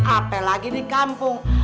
apel lagi di kampung